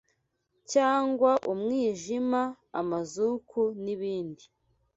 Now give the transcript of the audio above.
cyangwa umwijima, amazuku n’ibindi